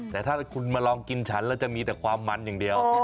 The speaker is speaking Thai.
แต่ถ้าคุณมาลองกินฉันแล้วจะมีแต่ความมันอย่างเดียว